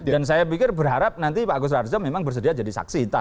dan saya berharap nanti pak agus raharjo memang bersedia jadi saksi